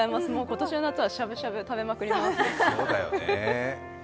今年の夏はしゃぶしゃぶ食べまくります。